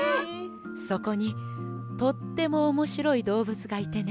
そこにとってもおもしろいどうぶつがいてね。